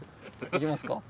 いきますか。